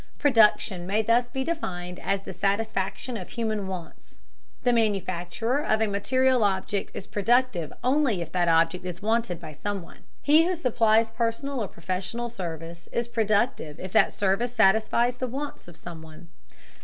Production may thus be defined as the satisfaction of human wants. The manufacturer of a material object is productive only if that object is wanted by someone; he who supplies personal or professional service is productive if that service satisfies the wants of someone.